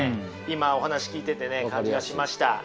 今お話を聞いててね感じがしました。